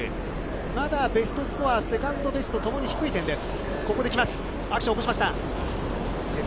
まだベストスコア、セカンドベストともに低い点です。